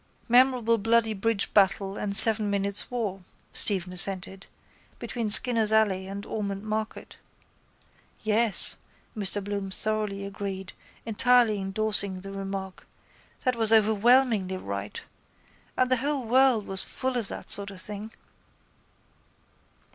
—Memorable bloody bridge battle and seven minutes' war, Stephen assented, between Skinner's alley and Ormond market. Yes, Mr Bloom thoroughly agreed, entirely endorsing the remark, that was overwhelmingly right. And the whole world was full of that sort of thing.